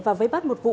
và với bắt một vụ